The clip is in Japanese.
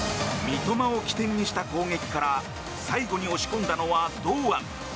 三笘を起点にした攻撃から最後に押し込んだのは堂安。